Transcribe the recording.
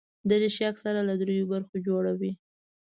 دریشي اکثره له درېو برخو جوړه وي.